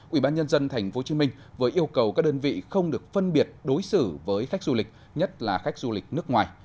ubnd tp hcm vừa yêu cầu các đơn vị không được phân biệt đối xử với khách du lịch nhất là khách du lịch nước ngoài